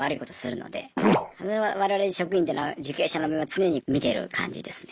我々職員というのは受刑者の目は常に見てる感じですね。